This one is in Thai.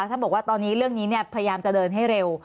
ท่านบอกว่าตอนนี้เรื่องนี้พยายามจะเดินให้เร็ว